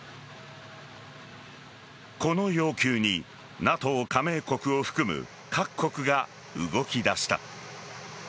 この要求にＮＡＴＯ加盟国を含む各国が動き出した。